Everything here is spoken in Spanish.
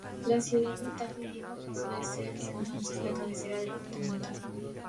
La ciudad de Tafí Viejo pasó a ser desde entonces la cabecera departamental.